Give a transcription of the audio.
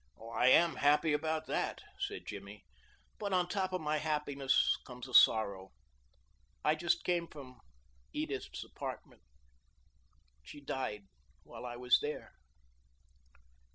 "I am happy about that," said Jimmy, "but on top of my happiness came a sorrow. I just came from Edith's apartment. She died while I was there."